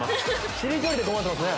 しりとりで困ってますね。